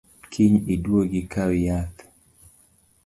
Kiny iduogi ikaw yath